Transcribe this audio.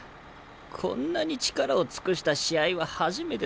こんなに力を尽くした試合は初めてだぜ。